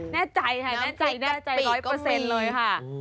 แน่ใจแน่ใจแน่ใจ๑๐๐เลยค่ะ